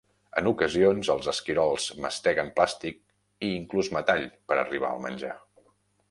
En ocasions, els esquirols masteguen plàstic i inclús metall per arribar al menjar.